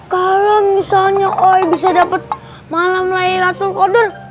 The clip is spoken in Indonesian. kalau misalnya oi bisa dapat malam laylatul qadar